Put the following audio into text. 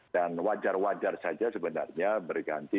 dan wajar wajar saja sebenarnya berganti